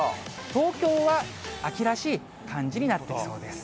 東京は秋らしい感じになってきそ